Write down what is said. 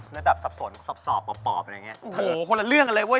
ระดับสับสนสอบกับปอบนิดนึงเงี้ย